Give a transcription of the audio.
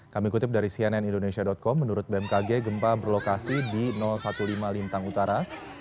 kami kutip dari cnn indonesia com menurut bmkg gempa berlokasi di lima belas lintang utara